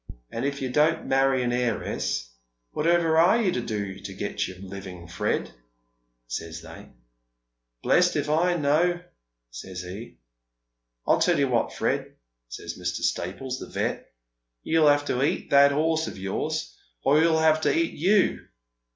' And if you don't marry an heiress, whatever are you to do to get your living, Fred ?' says they. ' Blest if I know,' saj's he. ' I'll tell you what, Fred,' says Mr. Staples, the Vet, ' you'll have to eat that horse of yours, or he'll have to eat you.